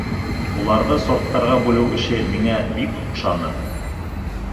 Уларҙы сорттарға бүлеү эше миңә бик оҡшаны.